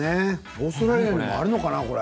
オーストラリアにもあるのかな、これ。